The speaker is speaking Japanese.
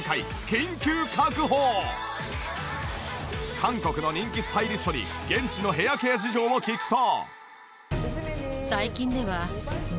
韓国の人気スタイリストに現地のヘアケア事情を聞くと。